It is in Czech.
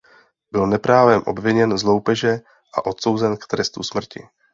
Byl neprávem obviněn z loupeže a odsouzen k trestu smrti.